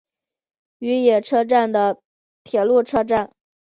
与野车站的铁路车站。